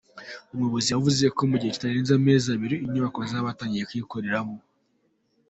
Uyu muyobozi yavuze ko mu gihe kitarenze amezi abiri iyi nyubako bazaba batangiye kuyikoreramo.